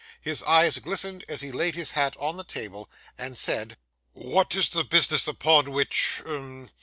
His eyes glistened as he laid his hat on the table, and said 'What is the business upon which um?